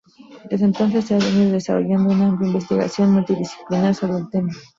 Desde entonces se ha venido desarrollando una amplia investigación multidisciplinar sobre el tema.